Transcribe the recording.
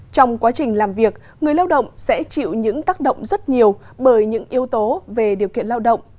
trong quá trình làm việc người lao động sẽ chịu những tác động rất nhiều bởi những yếu tố về điều kiện lao động